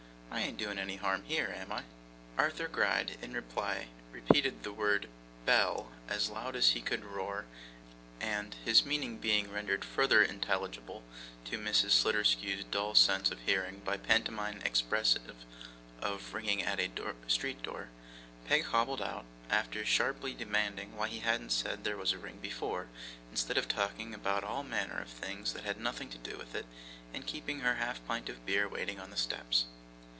'I ain't doing any harm here, am I?' Arthur Gride in reply repeated the word 'bell' as loud as he could roar; and, his meaning being rendered further intelligible to Mrs. Sliderskew's dull sense of hearing by pantomime expressive of ringing at a street door, Peg hobbled out, after sharply demanding why he hadn't said there was a ring before, instead of talking about all manner of things that had nothing to do with it, and keeping her half pint of beer waiting on the steps.